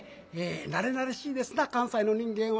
なれなれしいですな関西の人間は。